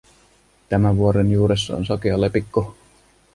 Tämän vuoren juuressa on sakea lepikko.